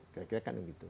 kira kira kan begitu